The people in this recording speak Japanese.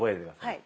はい。